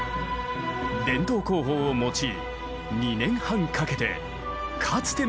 伝統工法を用い２年半かけてかつての姿がよみがえった。